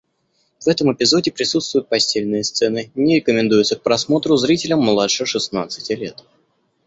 В этом эпизоде присутствуют постельные сцены, не рекомендуется к просмотру зрителям младше шестнадцати лет.